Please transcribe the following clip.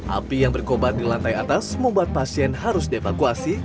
api yang berkobat di lantai atas membuat pasien harus dievakuasi